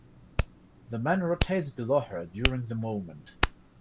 The man rotates below her during the movement.